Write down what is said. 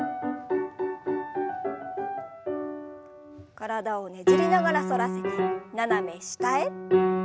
体をねじりながら反らせて斜め下へ。